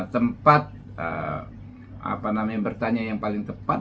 tempat apa namanya bertanya yang paling tepat